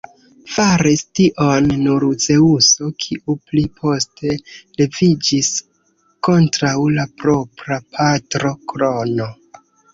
Faris tion nur Zeŭso, kiu pli poste leviĝis kontraŭ la propra patro Krono.